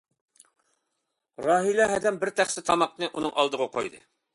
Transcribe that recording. راھىلە ھەدەم بىر تەخسە تاماقنى ئۇنىڭ ئالدىغا قويدى.